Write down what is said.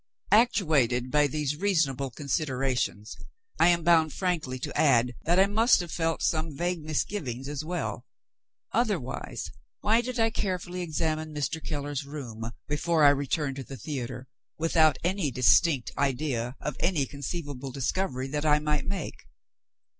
Actuated by these reasonable considerations, I am bound frankly to add that I must have felt some vague misgivings as well. Otherwise, why did I carefully examine Mr. Keller's room (before I returned to the theater), without any distinct idea of any conceivable discovery that I might make?